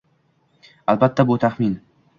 Albatta, bu taxmin